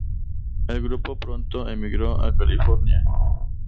El grupo pronto emigró a California.